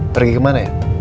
pergi kemana ya